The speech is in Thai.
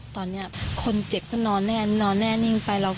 ตอนนี้คนเจ็บก็นอนแน่นิ่งไป